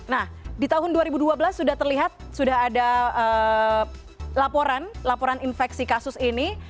nah di tahun dua ribu dua belas sudah terlihat sudah ada laporan laporan infeksi kasus ini